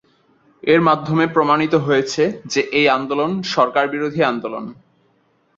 এর মাধ্যমে প্রমাণিত হয়েছে যে এই আন্দোলন সরকারবিরোধী আন্দোলন।